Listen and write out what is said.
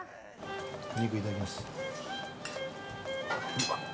お肉、いただきます。